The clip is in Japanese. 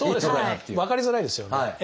分かりづらいですよね。